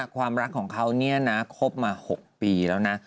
ความรักของเขาเนี่ยนะคบมา๖ปีแล้วนะ